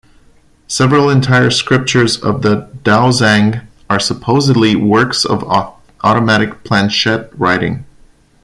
Several entire scriptures of the Daozang are supposedly works of automatic planchette writing.